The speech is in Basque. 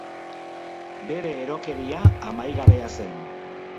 Bere erokeria amaigabea zen.